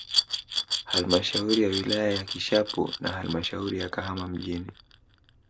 Halmashauri ya wilaya ya Kishapu na halamshauri ya Kahama mjini